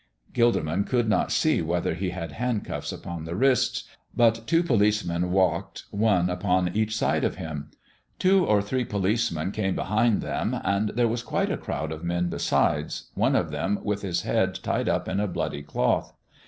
Gilderman could not see whether He had handcuffs upon the wrists, but two policemen walked one upon each side of Him. Two or three policemen came behind them, and there was quite a crowd of men besides, one of them with his head tied up in a bloody cloth.